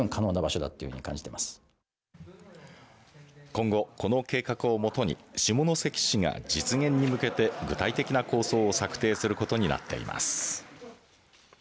今後、この計画をもとに下関市が実現に向けて具体的な構想を策定することになっています。